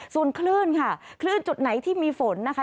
ส่วนคลื่นค่ะคลื่นจุดไหนที่มีฝนนะคะ